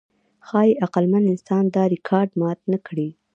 ښایي عقلمن انسان دا ریکارډ مات نهکړي.